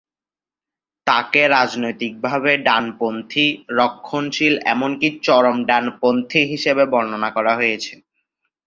তাঁকে রাজনৈতিকভাবে ডানপন্থী, রক্ষণশীল এমনকি চরম-ডানপন্থী হিসেবে বর্ণনা করা হয়েছে।